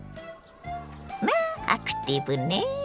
まあアクティブね！